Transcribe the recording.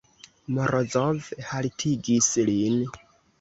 Morozov haltigis lin.